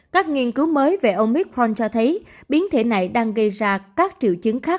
các nghiên cứu mới về omicront cho thấy biến thể này đang gây ra các triệu chứng khác